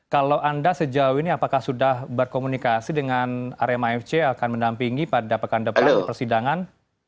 kalau anda sejauh ini apakah sudah berkomunikasi dengan arema fc akan mendampingi pada pekan depan di persidangan